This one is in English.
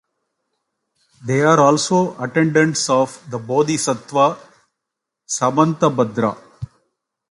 They are also attendants of the bodhisattva Samantabhadra.